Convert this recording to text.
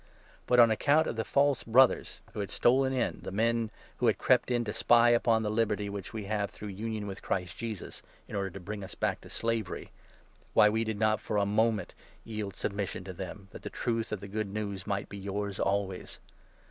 But, on account of the false Brothers who 4 had stolen in, the men who had crept in to spy upon the liberty which we have through union with Christ Jesus, in order to bring us back to slavery — why, we did not for a moment yield 5 submission to them, that the Truth of the Good News might be yours always